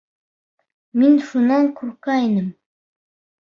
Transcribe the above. Мин шунан ҡурҡа инем.